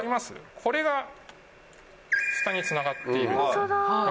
これが下につながっているんです。